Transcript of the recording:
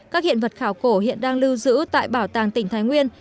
các hiện vật khảo cổ hiện đang lưu giữ tại bảo tàng tỉnh thái nguyên